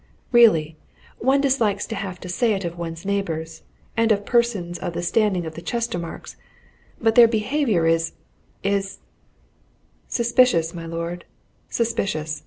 Really, one dislikes to have to say it of one's neighbours, and of persons of the standing of the Chestermarkes, but their behaviour is is " "Suspicious, my lord, suspicious!"